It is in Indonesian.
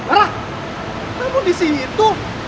arah kamu disitu